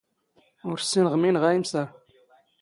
ⵓⵔ ⵙⵙⵉⵏⵖ ⵎⵉⵏ ⵖⴰ ⵉⵎⵙⴰⵔ.